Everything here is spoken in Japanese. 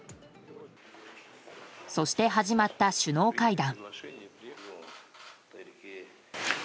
そして始まった、首脳会談。